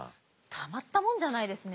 たまったもんじゃないですね。